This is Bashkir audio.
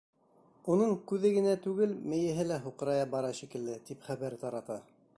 Уның күҙе генә түгел, мейеһе лә һуҡырая бара шикелле, тип хәбәр тарата.